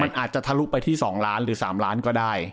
มันอาจจะทะลุไปที่๒ล้านหรือ๓ล้านก็ได้